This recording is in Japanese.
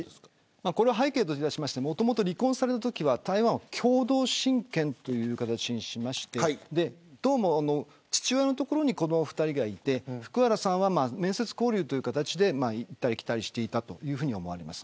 背景としてもともと離婚されるときは台湾は共同親権という形にしまして父親の所に子ども２人がいて福原さんは面接交流という形で行ったり来たりしていたと思われます。